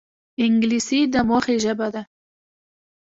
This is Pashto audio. انګلیسي د موخې ژبه ده